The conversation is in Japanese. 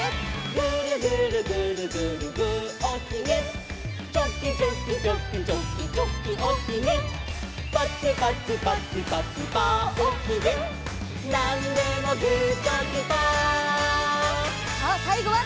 「グルグルグルグルグーおひげ」「チョキチョキチョキチョキチョキおひげ」「パチパチパチパチパーおひげ」「なんでもグーチョキパー」さあさいごはすきなポーズでいくよ！